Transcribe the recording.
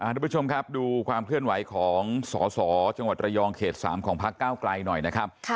ทุกผู้ชมครับดูความเคลื่อนไหวของสสจังหวัดระยองเขต๓ของพักเก้าไกลหน่อยนะครับ